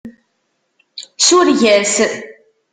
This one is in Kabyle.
Sureg-as.